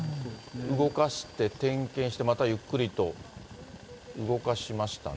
動かして点検してまたゆっくりと動かしましたね。